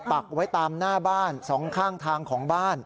ปักไว้ตามหน้าบ้านสองข้างทางของบ้าน